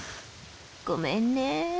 ごめんね。